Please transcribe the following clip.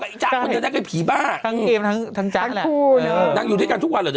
อยู่ตลอดไปร้องเพลงด้วยกันตลอด